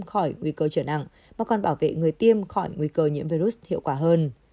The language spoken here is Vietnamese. khỏi nguy cơ trở nặng mà còn bảo vệ người tiêm khỏi nguy cơ nhiễm virus hiệu quả hơn